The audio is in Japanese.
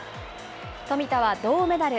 冨田は銅メダル。